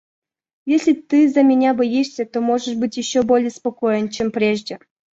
Если ты за меня боишься, то можешь быть еще более спокоен, чем прежде.